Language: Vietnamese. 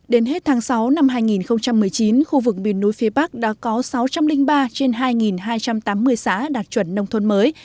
đến hết tháng sáu năm hai nghìn một mươi chín khu vực miền núi phía bắc đã có sáu trăm linh ba trên hai hai trăm tám mươi xã đạt chuẩn nông thôn mới